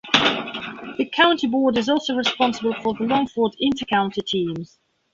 The county board is also responsible for the Longford inter-county teams.